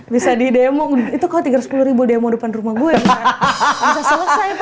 bisa selesai pak gue